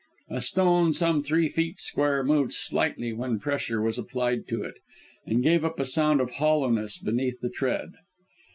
A stone some three feet square moved slightly when pressure was applied to it, and gave up a sound of hollowness beneath the tread.